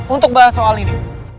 untuk bahas soal ini